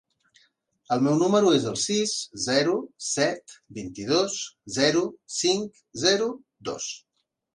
El meu número es el sis, zero, set, vint-i-dos, zero, cinc, zero, dos.